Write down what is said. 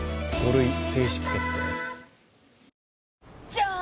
じゃーん！